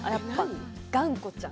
がんこちゃん。